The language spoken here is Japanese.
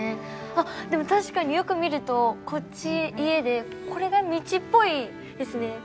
あでも確かによく見るとこっち家でこれが道っぽいですね。